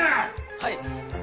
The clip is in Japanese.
はい！